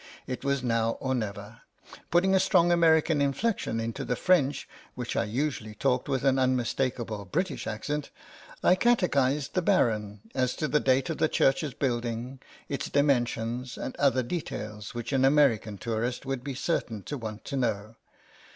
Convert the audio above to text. It was now or never. Putting a strong American inflection into the French which I usually talked with an unmistakable British accent, I catechised the Baron as to the date of the church's building, its dimensions, and other details which an American tourist would be certain to want to know.